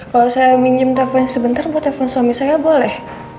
kalau saya minjem telepon sebentar buat telepon suami saya boleh